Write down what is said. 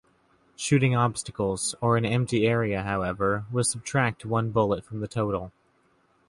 Shooting obstacles, or an empty area, however, will subtract one bullet from the total.